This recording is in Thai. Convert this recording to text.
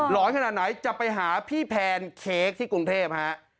อนขนาดไหนจะไปหาพี่แพนเค้กที่กรุงเทพฮะ